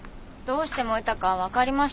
どうして燃えたか分かりましたか？